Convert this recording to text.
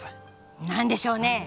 何でしょう？